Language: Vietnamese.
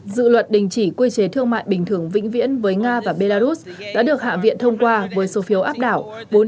dự luật đình chỉ quy chế thương mại bình thường vĩnh viễn với nga và belarus đã được hạ viện thông qua với số phiếu áp đảo